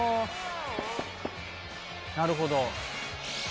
なるほど。